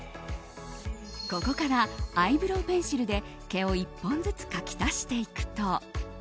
ここからアイブローペンシルで毛を１本ずつ描き足していくと。